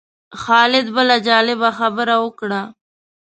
خالد بله جالبه خبره وکړه.